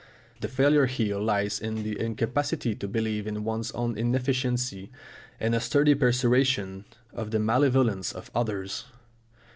The failure here lies in an incapacity to believe in one's own inefficiency, and a sturdy persuasion of the malevolence of others.